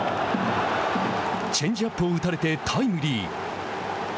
チェンジアップを打たれてタイムリー。